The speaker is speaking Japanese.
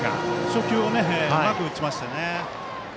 初球をうまく打ちましたね。